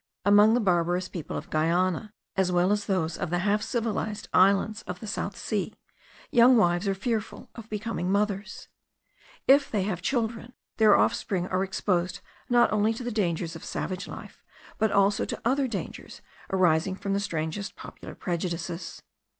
Among the barbarous people of Guiana, as well as those of the half civilized islands of the South Sea, young wives are fearful of becoming mothers. If they have children, their offspring are exposed not only to the dangers of savage life, but also to other dangers arising from the strangest popular prejudices.